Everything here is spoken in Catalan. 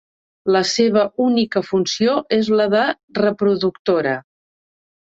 La seva única funció és la de reproductora.